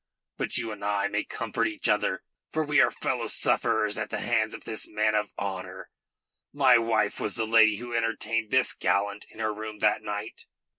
But you and I may comfort each other, for we are fellow sufferers at the hands of this man of honour. My wife was the lady who entertained this gallant in her room that night."